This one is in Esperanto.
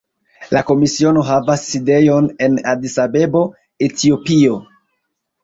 La Komisiono havas sidejon en Adis-Abebo, Etiopio.